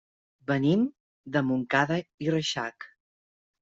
Venim de Montcada i Reixac.